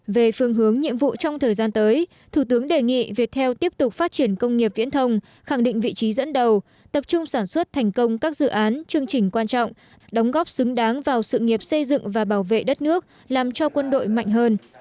về phương hướng nhiệm vụ trong thời gian tới thủ tướng đề nghị viettel tiếp tục phát triển công nghiệp viễn thông khẳng định vị trí dẫn đầu tập trung sản xuất thành công các dự án chương trình quan trọng đóng góp xứng đáng vào sự nghiệp xây dựng và bảo vệ đất nước làm cho quân đội mạnh hơn